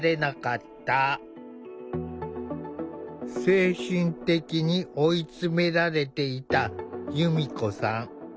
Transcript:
精神的に追い詰められていたゆみこさん。